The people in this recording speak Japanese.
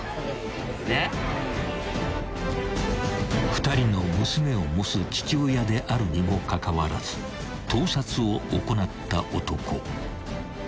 ［２人の娘を持つ父親であるにもかかわらず盗撮を行った男］